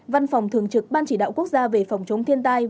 văn phòng thường trực ban chỉ đạo quốc gia về phòng chống thiên tai